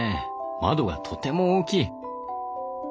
窓がとても大きい。